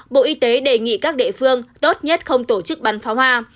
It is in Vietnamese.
bộ y tế đề nghị các địa phương tốt nhất không tổ chức bắn pháo hoa